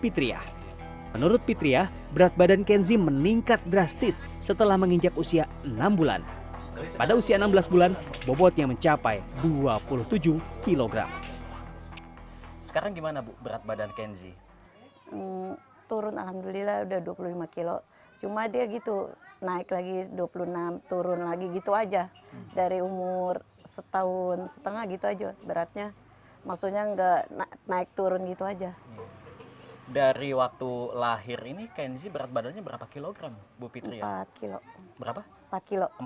turun gitu aja dari waktu lahir ini kenzi berat badannya berapa kilogram bupitnya kilo kilo empat